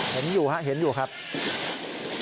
เห็นอยู่ครับเห็นเดินเรืองเขาเข้ามาแล้วฮะ